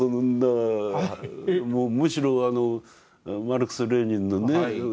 むしろあのマルクスレーニンのね